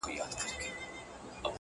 کله زيات او کله کم درپسې ژاړم”